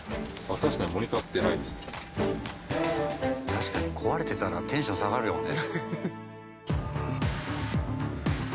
確かに壊れてたらテンション下がるよね。